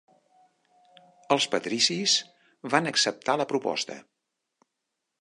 Els patricis van acceptar la proposta.